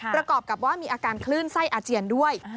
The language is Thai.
ประกอบกับว่ามีอาการคลื่นไส้อาเจียนด้วย